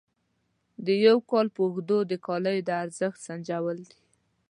د یو کال په اوږدو د کالیو د ارزښت سنجول دي.